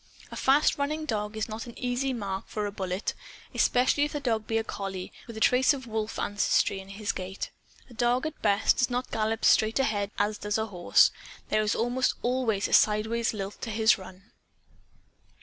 A fast running dog is not an easy mark for a bullet especially if the dog be a collie, with a trace of wolf ancestry in his gait. A dog, at best, does not gallop straight ahead as does a horse. There is almost always a sidewise lilt to his run.